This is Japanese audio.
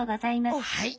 はい！